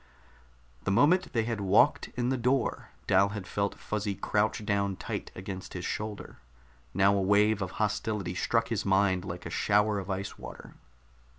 The moment they had walked in the door, Dal had felt Fuzzy crouch down tight against his shoulder. Now a wave of hostility struck his mind like a shower of ice water.